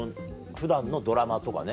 普段のドラマとかね